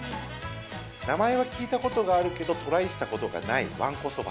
名前は聞いたことがあるけど、トライしたことがない、わんこそば。